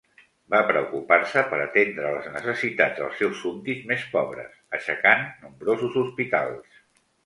Va preocupar-se per atendre les necessitats dels seus súbdits més pobres, aixecant nombrosos hospitals.